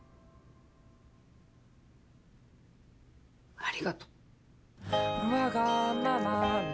ありがとう。